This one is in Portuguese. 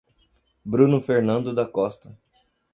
Bruno Fernando da Costa